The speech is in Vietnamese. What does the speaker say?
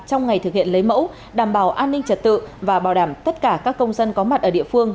trong ngày thực hiện lấy mẫu đảm bảo an ninh trật tự và bảo đảm tất cả các công dân có mặt ở địa phương